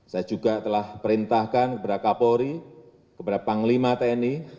saya juga telah perintahkan kepada kapolri kepada panglima tni